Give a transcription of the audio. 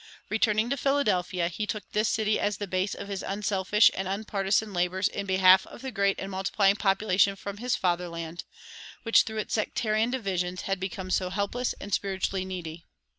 Returning to Philadelphia, he took this city as the base of his unselfish and unpartisan labors in behalf of the great and multiplying population from his fatherland, which through its sectarian divisions had become so helpless and spiritually needy.